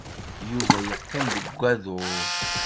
Yuba yeqqim deg wadur.